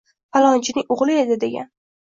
Falonchining o‘g‘li edi degan